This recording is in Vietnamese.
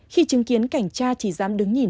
khi chứng kiến cảnh cha chỉ dám đứng nhìn